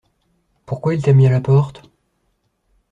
Pourquoi il t’a mis à la porte?